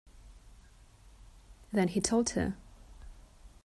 Then he told her.